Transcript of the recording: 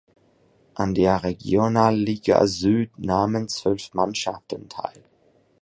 An der Regionalliga Süd nahmen zwölf Mannschaften teil.